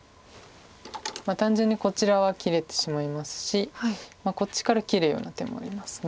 単純にこちらは切れてしまいますしこっちから切るような手もあります。